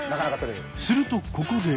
するとここで。